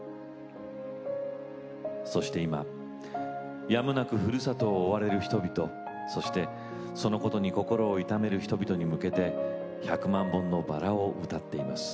そして今やむなくふるさとを追われる人々そしてそのことに心を痛める人々に向けて「百万本のバラ」を歌っています。